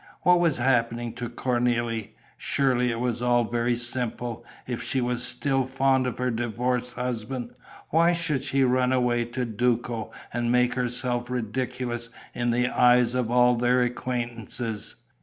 What was happening to Cornélie? Surely it was all very simple, if she was still fond of her divorced husband! Why should she run away to Duco and make herself ridiculous in the eyes of all their acquaintances?